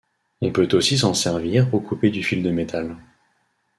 On peut aussi s'en servir pour couper du fil de métal.